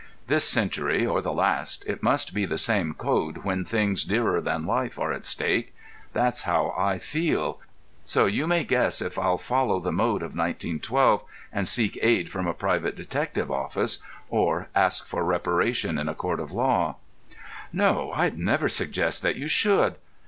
"This century or the last, it must be the same code when things dearer than life are at stake. That's how I feel. So you may guess if I'll follow the mode of 1912, and seek aid from a private detective office, or ask for reparation in a court of law." "No, I'd never suggest that you should.